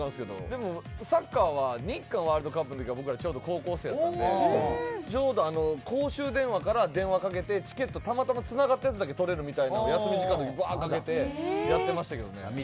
でもサッカーは日韓ワールドカップのときは僕らちょうど高校生だったんでちょうど公衆電話から電話かけてチケットたまたまつながったやつだけ取れるみたいなんを休み時間のときぶわかけてやってましたけどね。